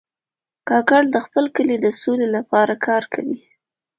کاکړ د خپل کلي د سولې لپاره کار کوي.